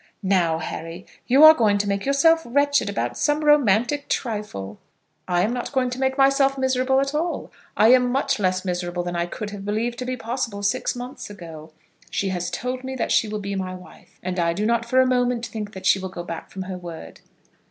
"Now, Harry, you are going to make yourself wretched about some romantic trifle." "I am not going to make myself miserable at all. I am much less miserable than I could have believed to be possible six months ago. She has told me that she will be my wife, and I do not for a moment think that she will go back from her word."